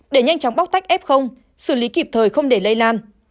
để nhanh chóng bóc tách f xử lý kịp thời không để lây lan